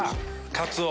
カツオ！